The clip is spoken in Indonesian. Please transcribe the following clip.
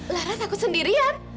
lara takut sendirian